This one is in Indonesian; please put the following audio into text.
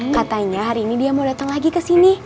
katanya hari ini dia mau datang lagi ke sini